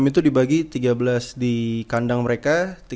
enam itu dibagi tiga belas di kandang mereka